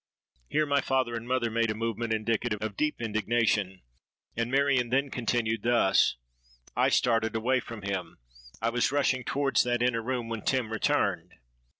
'—Here my father and mother made a movement indicative of deep indignation; and Marion then continued thus:—'I started away from him—I was rushing towards that inner room, when Tim returned.